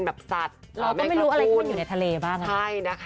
เราไม่ดูนะบังอยู่ในทะเลบ้างคละ